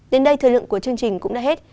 đến đây thời lượng của chương trình cũng đã hết